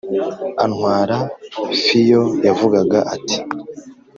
antwara f Iyo yavugaga ati